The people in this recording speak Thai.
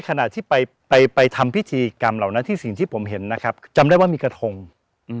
กรรมเหล่านั้นที่สิ่งที่ผมเห็นนะครับจำได้ว่ามีกระทงอืม